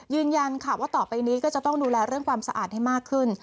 ยืนยันค่ะว่าต่อไปนี้ก็จะต้องดูแลเรื่องความสะอาดให้มากขึ้น